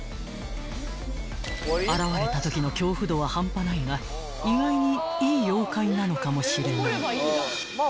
［現れたときの恐怖度はハンパないが意外にいい妖怪なのかもしれない］